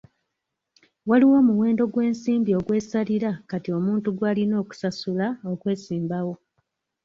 Waliwo omuwendo gw'ensimbi ogw'essalira kati omuntu gw'alina okusasula okwesimbawo.